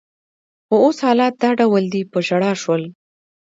خو اوس حالت دا ډول دی، په ژړا شول.